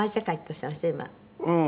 うん。